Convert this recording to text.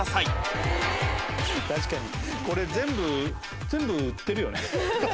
「確かにこれ全部売ってるよね」